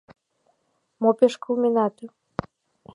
— Мо пеш кылменат?